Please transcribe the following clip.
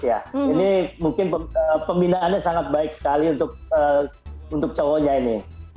ini mungkin pembinaannya sangat baik sekali untuk cowoknya ini